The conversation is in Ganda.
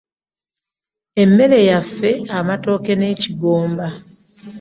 Emmere yaffe, amatooke n'ekigomba.